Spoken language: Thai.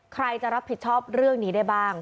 ใครจะรับผิดชอบเรื่องนี้ได้บ้าง